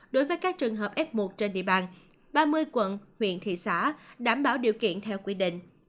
đối với các trường hợp f một trên địa bàn ba mươi quận huyện thị xã đảm bảo điều kiện theo quy định